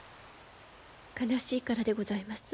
悲しいからでございます。